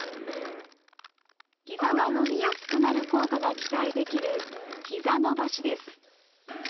ひざが伸びやすくなる効果が期待できるひざ伸ばしです。